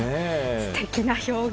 すてきな表現。